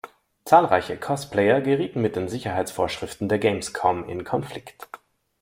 Zahlreiche Cosplayer gerieten mit den Sicherheitsvorschriften der Gamescom in Konflikt.